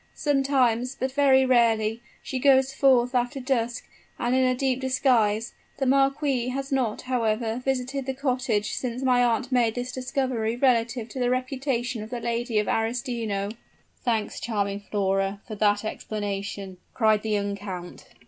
Sometimes but very rarely she goes forth after dusk, and in a deep disguise; the marquis has not, however, visited the cottage since my aunt made this discovery relative to the reputation of the Lady of Arestino." "Thanks, charming Flora, for that explanation!" cried the young count.